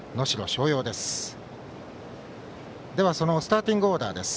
それではスターティングオーダーです。